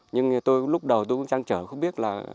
nhưng lúc đầu tôi cũng trăng trở không biết là